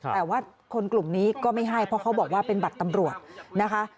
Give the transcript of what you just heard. แต่ว่าคนกลุ่มนี้ก็ไม่ให้เพราะเขาบอกว่าเป็นบัตรตำรวจนะคะ